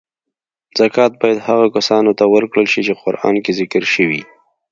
زکات باید هغو کسانو ته ورکړل چی قران کې ذکر شوی .